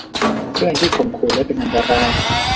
เพื่อนที่ข่มขู่และเป็นอันตราย